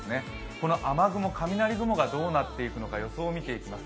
この雨雲、雷雲がどうなっていくのか、予想を見ていきます。